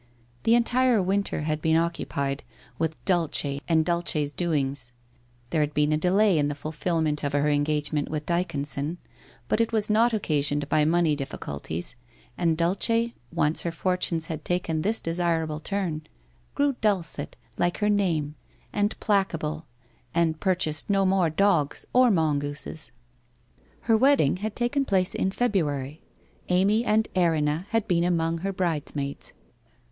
The entire winter had been occupied with Dulce and Dulce's doings. There had been a delay in the fulfil ment of her engagement with Dyconson, but it was not occasioned by money difficulties, and Dulce, once her for tunes had taken this desirable turn, grew dulcet, like her name, and placable, and purchased no more dogs or mongooses. Her wedding had taken place in February. Amy and Erinna had been among her bridesmaids.